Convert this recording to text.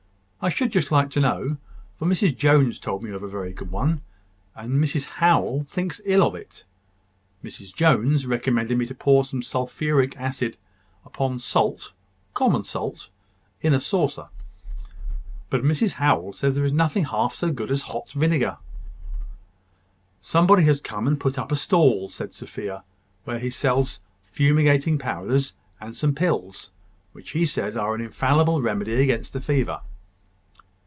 "I should just like to know; for Mrs Jones told me of a very good one; and Mrs Howell thinks ill of it. Mrs Jones recommended me to pour some sulphuric acid upon salt common salt in a saucer; but Mrs Howell says there is nothing half so good as hot vinegar." "Somebody has come and put up a stall," said Sophia, "where he sells fumigating powders, and some pills, which he says are an infallible remedy against the fever."